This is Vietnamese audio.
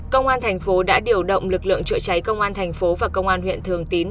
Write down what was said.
công an thành phố đã điều động lực lượng chữa cháy công an thành phố và công an huyện thường tín